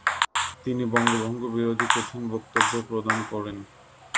তিনি বঙ্গভঙ্গ বিরোধী কঠিন বক্তব্য প্রদান করেন।